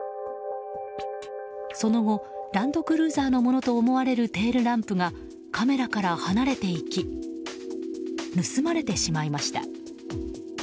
その後、ランドクルーザーのものと思われるテールランプがカメラから離れていき盗まれてしまいました。